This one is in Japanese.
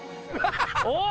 おい！